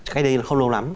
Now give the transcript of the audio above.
cái đây là không lâu lắm